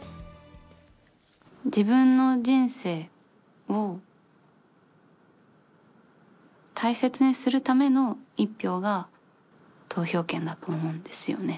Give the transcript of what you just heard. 自分の人生を大切にするための１票が、投票権だと思うんですよね。